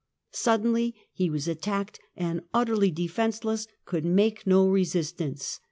Suddenly he was attacked, and, utterly of Orleans, defenceless, could make no resistance.